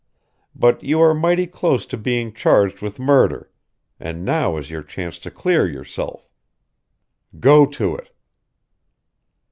But you are mighty close to being charged with murder and now is your chance to clear yourself. Go to it!"